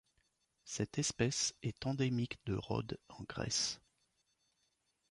Cette espèce est endémique de Rhodes en Grèce.